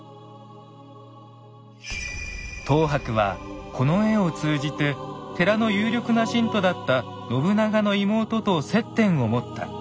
等伯はこの絵を通じて寺の有力な信徒だった信長の妹と接点を持った。